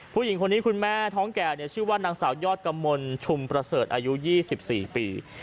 ผู้หญิงคนนี้คุณแม่ท้องแก่ชื่อว่านางสาวยอดกมลชุมประเสริฐอายุ๒๔ปี